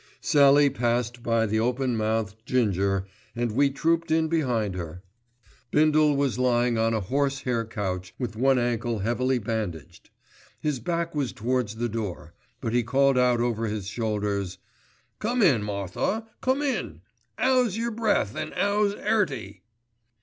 Sallie passed by the open mouthed Ginger, and we trooped in behind her. Bindle was lying on a horse hair couch with one ankle heavily bandaged. His back was towards the door; but he called out over his shoulders, "Come in, Martha, come in. 'Ow's yer breath and 'ow's 'Earty?"